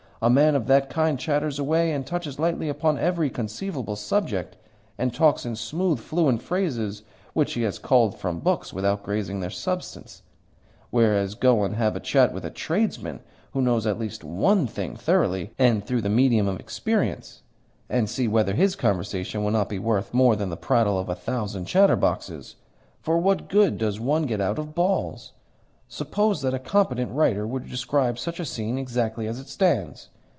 A man of that kind chatters away, and touches lightly upon every conceivable subject, and talks in smooth, fluent phrases which he has culled from books without grazing their substance; whereas go and have a chat with a tradesman who knows at least ONE thing thoroughly, and through the medium of experience, and see whether his conversation will not be worth more than the prattle of a thousand chatterboxes. For what good does one get out of balls? Suppose that a competent writer were to describe such a scene exactly as it stands?